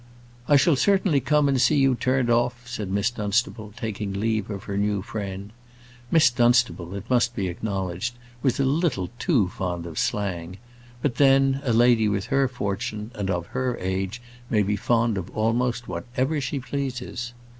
"I shall certainly come and see you turned off," said Miss Dunstable, taking leave of her new friend. Miss Dunstable, it must be acknowledged, was a little too fond of slang; but then, a lady with her fortune, and of her age, may be fond of almost whatever she pleases.